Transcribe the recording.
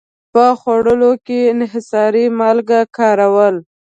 په خوړو کې انحصاري مالګه کارول.